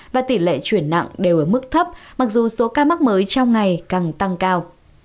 và tỷ lệ chuyển nặng đều ở mức thấp mặc dù số ca mắc mới trong ngày càng tăng cao